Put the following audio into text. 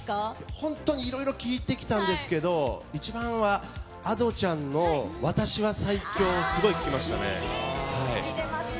本当にいろいろ聴いてきたんですけど、一番は、Ａｄｏちゃんの私は最強、すごい聴きましたね。